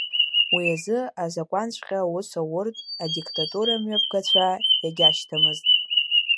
Уи азы азакәанҵәҟьа аус ауртә адиктатура мҩаԥгацәа иагьашьҭамызт.